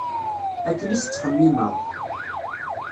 Akken i s-ttxemmimeɣ.